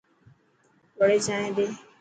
وڙي چائن ڏي.